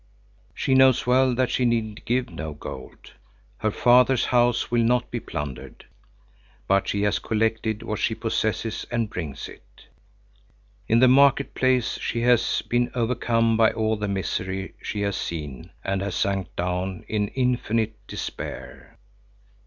She knows well that she need give no gold. Her father's house will not be plundered, but she has collected what she possesses and brings it. In the market place she has been overcome by all the misery she has seen and has sunk down in infinite despair.